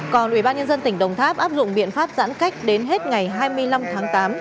còn ubnd tỉnh đồng tháp áp dụng biện pháp giãn cách đến hết ngày hai mươi năm tháng tám